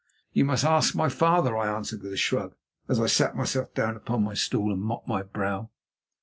"You must ask my father," I answered with a shrug as I sat myself down upon my stool and mopped my brow.